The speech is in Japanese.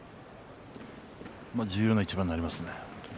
重要な一番になりますね。